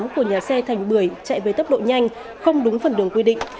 của nhà xe thành bưởi chạy với tốc độ nhanh không đúng phần đường quy định